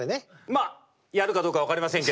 まあやるかどうか分かりませんけど。